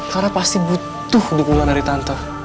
karena pasti butuh dukungan dari tante